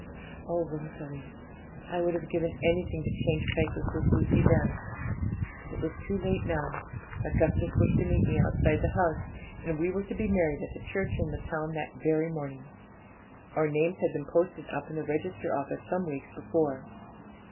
Oh, Rosalie, I would have given anything to change places with Lucy then! But it was too late now; Augustus was to meet me outside the house, and we were to be married at a church in the town that very morning. Our names had been posted up in the register office some weeks before.